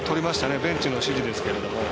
ベンチの指示ですけど。